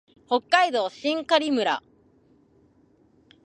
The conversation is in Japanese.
北海道真狩村